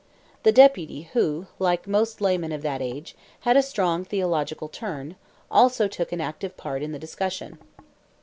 The Deputy, who, like most laymen of that age, had a strong theological turn, also took an active part in the discussion.